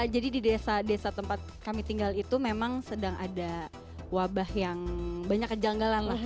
jadi di desa desa tempat kami tinggal itu memang sedang ada wabah yang banyak kejanggalan lah